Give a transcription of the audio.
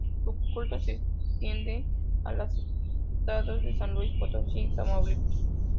Su culto se extiende a los estados de San Luis Potosí y Tamaulipas.